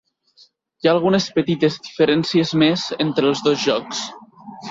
Hi ha algunes petites diferències més entre els dos jocs.